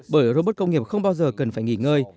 bởi robot công nghiệp không bao giờ cần phải nghỉ ngơi